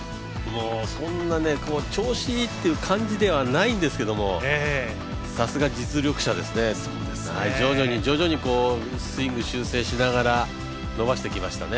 そんな調子いいっていう感じではないんですけど、さすが実力者ですね徐々に徐々にスイング修正しながら伸ばしてきましたね。